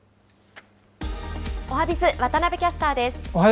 おはＢｉｚ、渡部キャスターです。